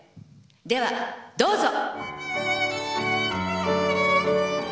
「ではどうぞ！」